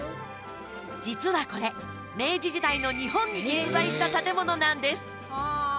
実は、これ明治時代の日本に実在した建物なんです。